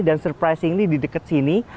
dan surprise ini di dekat sini